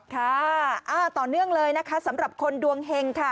ค่ะต่อเนื่องเลยนะคะสำหรับคนดวงเฮงค่ะ